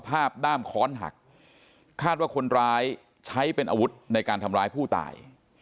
ด้ามค้อนหักคาดว่าคนร้ายใช้เป็นอาวุธในการทำร้ายผู้ตาย